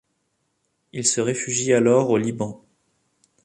Il se réfugie alors au Liban.